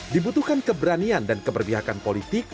dibutuhkan keberanian dan keberbihakan politik